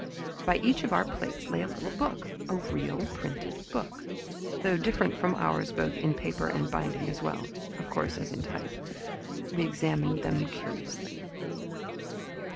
By each of our plates lay a little book, a real printed book, though different from ours both in paper and binding, as well, of course, as in type. We examined them curiously.